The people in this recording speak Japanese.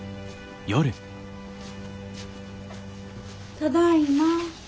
ただいま。